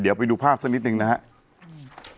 เดี๋ยวไปดูภาพสักนิดนึงนะครับ